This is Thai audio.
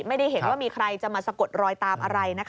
ไม่ได้เห็นว่ามีใครจะมาสะกดรอยตามอะไรนะคะ